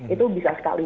itu bisa sekali